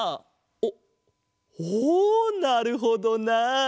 おっおおなるほどなあ！